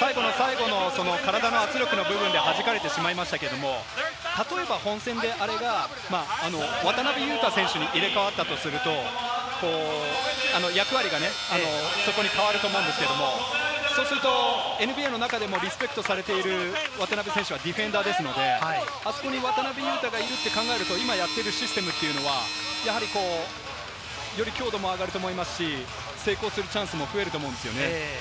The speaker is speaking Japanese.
最後の体の圧力の部分ではじかれてしまいましたが、本戦であれば渡邊雄太選手に入れ替わったとすると、役割がね、そこで変わると思うんですけれど、そうするとＮＢＡの中でもリスペクトされている渡邊選手はディフェンダーですので、渡邊雄太がいると考えると、今やっているシステムはより強度も上がると思いますし、成功するチャンスも増えると思うんですよね。